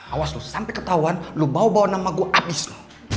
awas lu sampe ketauan lu bawa bawa nama gue abis lu